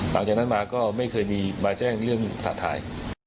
หลังจากนั้นมาก็ไม่เคยมีมาแจ้งเรื่องสาธาร